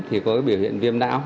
thì có biểu hiện viêm não